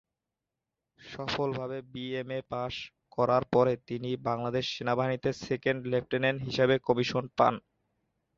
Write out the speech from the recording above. সফলভাবে BMA pass করার পরে তিনি বাংলাদেশ সেনাবাহিনীতে সেকেন্ড লেফটেন্যান্ট হিসাবে কমিশন পান।